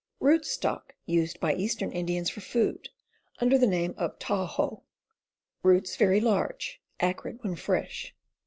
Rootstock used by eastern Indians for food, under the name oi Taw ho. Roots very large; acrid when fresh.